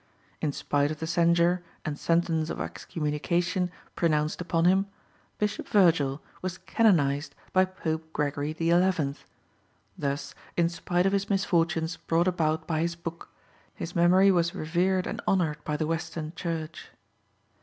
In spite of the censure and sentence of excommunication pronounced upon him, Bishop Virgil was canonised by Pope Gregory XI.; thus, in spite of his misfortunes brought about by his book, his memory was revered and honoured by the Western Church.